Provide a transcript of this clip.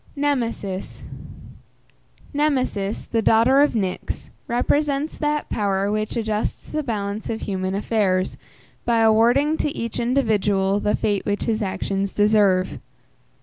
NEMESIS. Nemesis, the daughter of Nyx, represents that power which adjusts the balance of human affairs, by awarding to each individual the fate which his actions deserve.